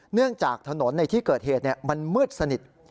เนื่องจากถนนในที่เกิดเหตุมันมืดสนิท